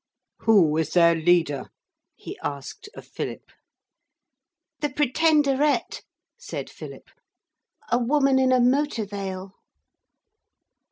Who is their leader?' he asked of Philip. 'The Pretenderette,' said Philip; 'a woman in a motor veil.'